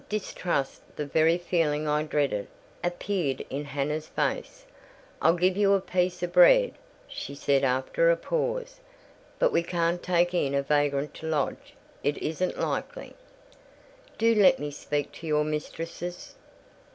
Distrust, the very feeling I dreaded, appeared in Hannah's face. "I'll give you a piece of bread," she said, after a pause; "but we can't take in a vagrant to lodge. It isn't likely." "Do let me speak to your mistresses."